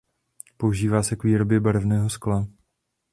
Používá se k výrobě barevného skla.